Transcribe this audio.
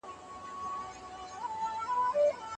ایا د ګوندونو مشرانو رښتینې روزنه لیدلې وه؟